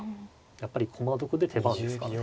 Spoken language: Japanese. やっぱり駒得で手番ですからね。